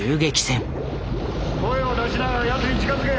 声を出しながらやつに近づけ。